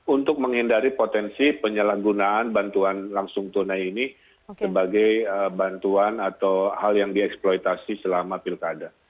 untuk menghindari potensi penyalahgunaan bantuan langsung tunai ini sebagai bantuan atau hal yang dieksploitasi selama pilkada